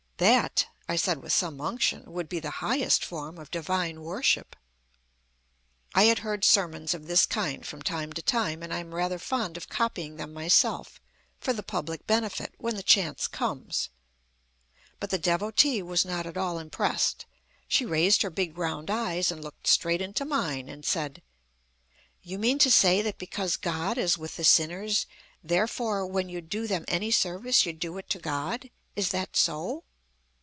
"That," I said with some unction, "would be the highest form of divine worship." I had heard sermons of this kind from time to time, and I am rather fond of copying them myself for the public benefit, when the chance comes. But the Devotee was not at all impressed. She raised her big round eyes, and looked straight into mine, and said: "You mean to say that because God is with the sinners, therefore when you do them any service you do it to God? Is that so?"